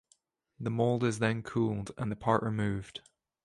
The mold is then cooled and the part removed.